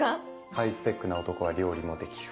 ハイスペックな男は料理もできる。